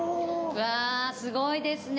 わあすごいですね